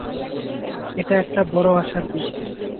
এটা একটা বড় আশার দিক।